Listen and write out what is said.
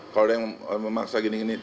kalau ada yang memaksa gini gini